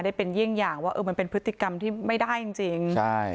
ได้เป็นเยี่ยงอย่างว่าเออมันเป็นพฤติกรรมที่ไม่ได้จริงจริงใช่